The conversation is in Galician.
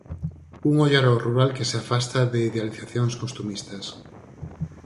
Un ollar ao rural que se afasta de idealizacións costumistas.